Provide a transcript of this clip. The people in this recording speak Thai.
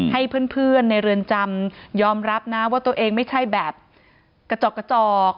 ให้เพื่อนในเรือนจำยอมรับนะว่าตัวเองไม่ใช่แบบกระจอกกระจอก